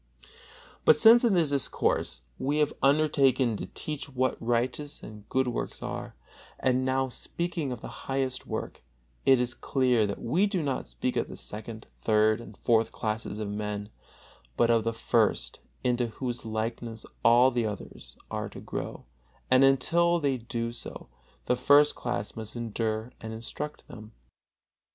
But since in this discourse we have undertaken to teach what righteous and good works are, and are now speaking of the highest work, it is clear that we do not speak of the second, third and fourth classes of men, but of the first, into whose likeness all the others are to grow, and until they do so the first class must endure and instruct them.